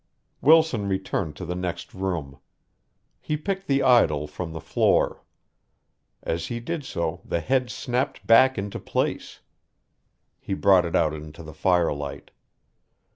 Wilson returned to the next room. He picked the idol from the floor. As he did so the head snapped back into place. He brought it out into the firelight.